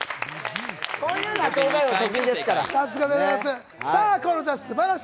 こういうのは「東大王」得意だから。